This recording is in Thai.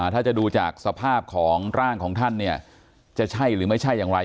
ถ้าจะดูจากสภาพของร่างของท่านเนี่ยจะใช่หรือไม่ใช่อย่างไร